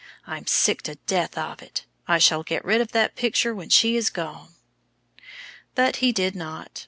I'm sick to death of it. I shall get rid of that picture when she is gone." But he did not.